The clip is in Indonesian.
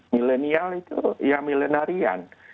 milenial itu ya milenarian